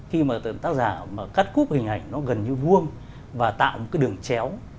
khi mà tác giả mà cắt cúp hình ảnh nó gần như vuông và tạo một cái đường chéo